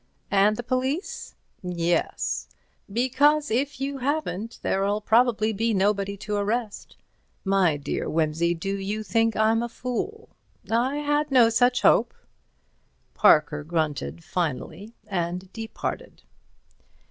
"And the police?" "Yes." "Because, if you haven't, there'll probably be nobody to arrest." "My dear Wimsey, do you think I'm a fool?" "I had no such hope." Parker grunted finally and departed.